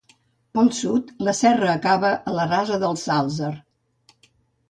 Pel sud la serra acaba a la rasa del Sàlzer.